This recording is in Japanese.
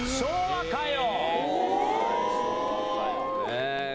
「昭和歌謡」。